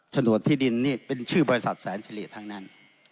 ฉนดที่ดินนี่เป็นชื่อบริษัทแสนเฉลี่ยทั้งนั้น